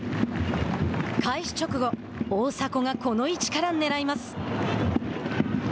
開始直後、大迫がこの位置からねらいます。